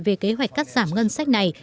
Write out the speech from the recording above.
về kế hoạch cắt giảm ngân sách này